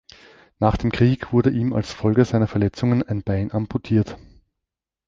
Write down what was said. Nach dem Krieg wurde ihm als Folge seiner Verletzungen ein Bein amputiert.